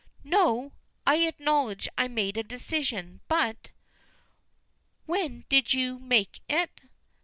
"No! I acknowledge I made a decision but " "When did you make it?"